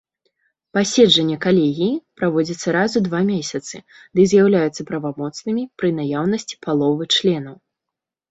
Паседжанні калегіі праводзяцца раз у два месяцы ды з'яўляюцца правамоцнымі пры наяўнасці паловы членаў.